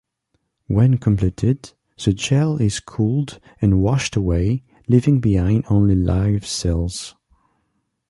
When completed, the gel is cooled and washed away, leaving behind only live cells.